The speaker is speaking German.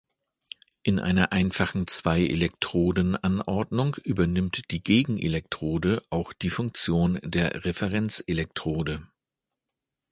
In einer einfachen Zwei-Elektroden-Anordnung übernimmt die Gegenelektrode auch die Funktion der Referenzelektrode.